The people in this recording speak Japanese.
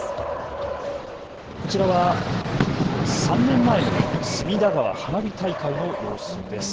こちらは３年前の隅田川花火大会の様子です。